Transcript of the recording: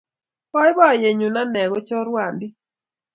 Boboiyet nyu nene chorwandit